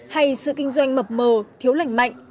hay sự kinh doanh mập mờ thiếu lành mạnh